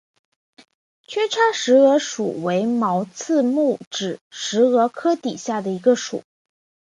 缺叉石蛾属为毛翅目指石蛾科底下的一个属。